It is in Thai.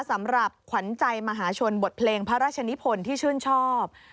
สำหรับขวัญใจมหาชนบทเพลงพระราชนิพลที่ชื่นชอบ